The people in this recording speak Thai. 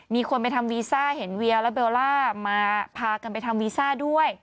มีคนไปทำวีซ่าเห็นเวียและเบลล่ามาพากันไปทำวีซ่าด้วย